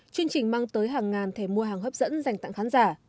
chương trình mang tới hàng ngàn thẻ mua hàng hấp dẫn dành tặng khán giả